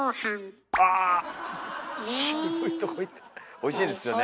おいしいですよね。